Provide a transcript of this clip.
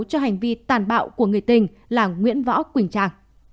cho hành vi tàn bạo của người tình là nguyễn võ quỳnh trang